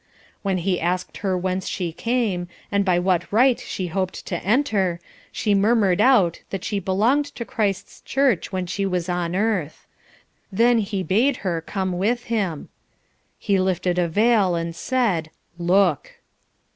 When he asked her whence she came, and by what right she hoped to enter, she murmured out that she belonged to Christ's church when she was on earth. Then he bade her come with him. He lifted a veil and said, "Look!"